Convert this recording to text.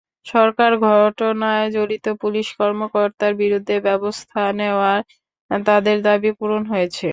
সরকার ঘটনায় জড়িত পুলিশ কর্মকর্তার বিরুদ্ধে ব্যবস্থা নেওয়ায় তাঁদের দাবি পূরণ হয়েছে।